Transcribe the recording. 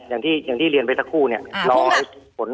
อย่างที่อย่างที่เรียนไปสักครู่เนี้ยอ่าหรือหมด